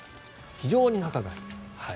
非常に仲がいいと。